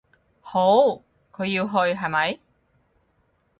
好，佢要去，係咪？